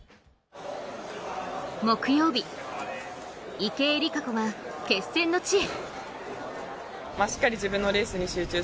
木曜日、池江璃花子が決戦の地へ。